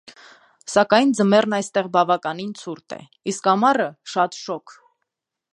Սակայն ձմեռն այստեղ բավականին ցուրտ է, իսկ ամառը՝ շատ շոգ։